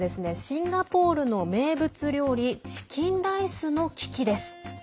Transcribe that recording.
シンガポールの名物料理チキンライスの危機です。